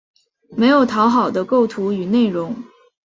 没有讨好的构图与内容